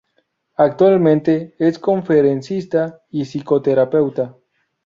Actualmente es conferencista y psicoterapeuta.